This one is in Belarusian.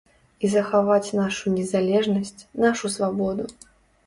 І захаваць нашу незалежнасць, нашу свабоду.